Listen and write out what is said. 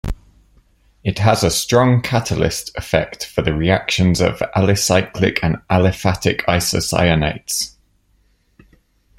It has a strong catalyst effect for the reactions of alicyclic and aliphatic isocyanates.